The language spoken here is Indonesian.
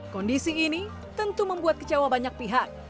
kondisi ini tentu membuat kecewa banyak pihak